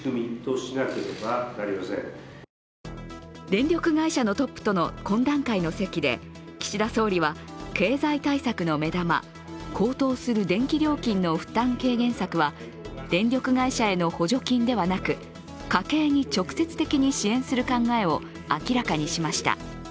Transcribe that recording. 電力会社のトップとの懇談会の席で、岸田総理は経済対策の目玉、高騰する電気料金の負担軽減策は、電力会社への補助金では、家計に直接的に支援する考えを、明らかにしました。